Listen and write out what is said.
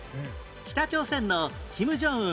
北朝鮮の金正恩